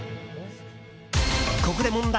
ここで問題！